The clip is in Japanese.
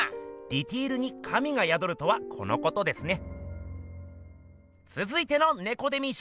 ディテールに神がやどるとはこのことですね。